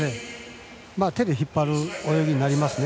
手で引っ張る泳ぎになりますね。